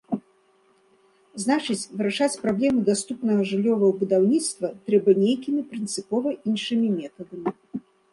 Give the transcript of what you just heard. Значыць, вырашаць праблему даступнага жыллёвага будаўніцтва трэба нейкімі прынцыпова іншымі метадамі.